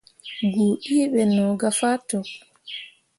Goo ǝǝ ɓe no gah faa cok.